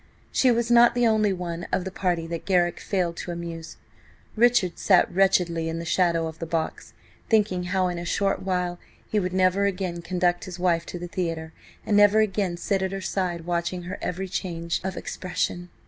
She was not the only one of the party that Garrick failed to amuse. Richard sat wretchedly in the shadow of the box, thinking how, in a short while, he would never again conduct his wife to the theatre and never again sit at her side watching her every change of expression.